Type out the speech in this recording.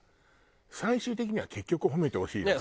最終的には結局褒めてほしいのか。